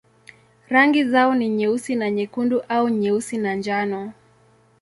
Rangi zao ni nyeusi na nyekundu au nyeusi na njano.